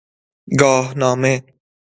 گاهنامه